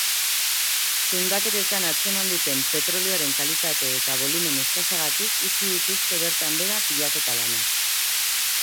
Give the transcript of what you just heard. Zundaketetan atzeman duten petrolioaren kalitate eta bolumen eskasagatik utzi dituzte bertan behera bilaketa-lanak.